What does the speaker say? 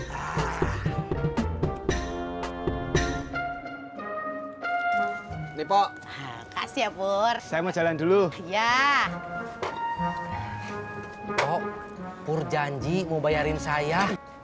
hai nipo kasih ya pur saya mau jalan dulu ya oh pur janji mau bayarin saya